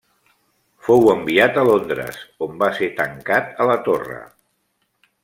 Fou enviat a Londres, on va ser tancat a la Torre.